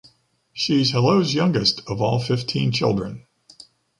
She’s Hello’s youngest of all fifteen children!